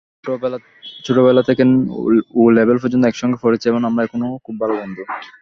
ছোটবেলা থেকে ও-লেভেল পর্যন্ত একসঙ্গে পড়েছি এবং আমরা এখনো খুব ভালো বন্ধু।